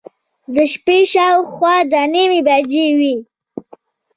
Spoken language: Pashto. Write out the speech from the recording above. د شپې شاوخوا دوه نیمې بجې وې.